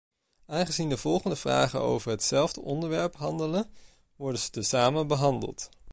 Aangezien de volgende vragen over hetzelfde onderwerp handelen, worden ze tezamen behandeld.